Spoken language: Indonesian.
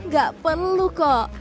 gak perlu kok